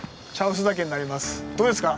どうですか？